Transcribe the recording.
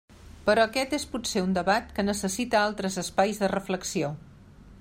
Però aquest és potser un debat que necessita altres espais de reflexió.